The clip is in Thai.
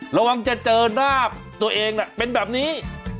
ระวังจะเจอหน้าตัวเองเป็นแบบนี้